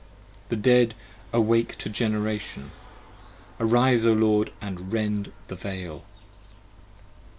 40 The Dead awake to Generation! Arise O Lord, & rend the Veil!